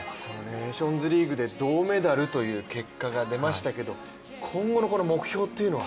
ネーションズリーグで銅メダルという結果が出ましたけども、今後の目標というのは？